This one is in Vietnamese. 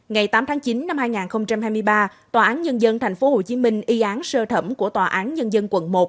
ngày tám tháng chín năm hai nghìn hai mươi ba tòa án nhân dân tp hcm y án sơ thẩm của tòa án nhân dân quận một